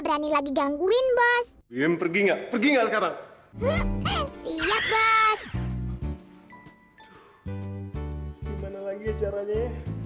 berani lagi gangguin bos yang pergi nggak pergi nggak sekarang siap bos gimana lagi caranya ya